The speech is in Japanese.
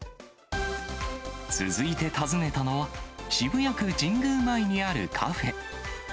続いて訪ねたのは、渋谷区神宮前にあるカフェ。